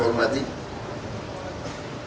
kepala kepulisan negara republik indonesia